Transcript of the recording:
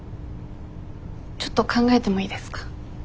ちょっと考えてもいいですか。